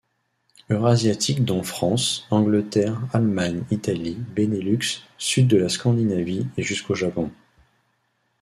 Eurasiatique dont France, Angleterre, Allemagne, Italie, Benelux, sud de la Scandinavie et jusqu'au Japon.